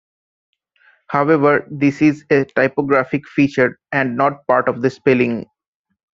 However this is a typographic feature and not part of the spelling.